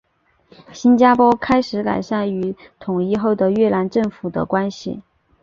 新加坡开始改善与统一后的越南政府的关系。